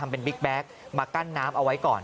เป็นบิ๊กแก๊กมากั้นน้ำเอาไว้ก่อน